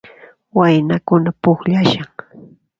Waynakuna pukllashan